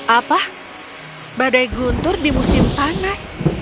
apa badai guntur di musim panas